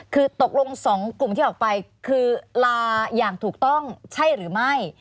คือตกลง๒กลุ่มที่ออกไปคือลาอย่างถูกต้องใช่หรือไม่